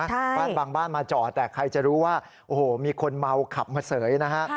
บ้านบางบ้านมาจอดแต่ใครจะรู้ว่าโอ้โหมีคนเมาขับมาเสยนะฮะ